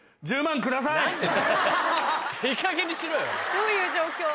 どういう状況？